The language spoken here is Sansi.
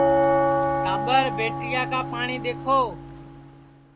ٹاٻر بیٹریا کا پاٹؔی دؔیکھو